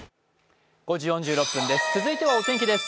続いてはお天気です。